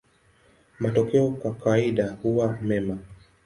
Matokeo kwa kawaida huwa mema.